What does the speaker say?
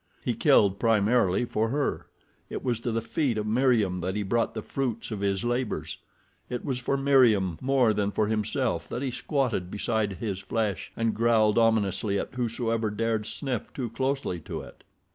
He killed primarily for her. It was to the feet of Meriem that he brought the fruits of his labors. It was for Meriem more than for himself that he squatted beside his flesh and growled ominously at whosoever dared sniff too closely to it.